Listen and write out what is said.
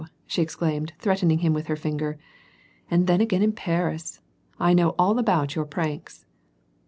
she exclaimed, threatening him with her linger. "And then again in Paris, I know alwut your pranks